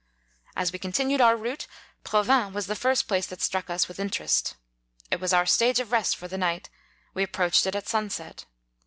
As we continued our route, Provins was the first place that struck us with interest. It was our stage of rest for the night ; we approached it at sunset.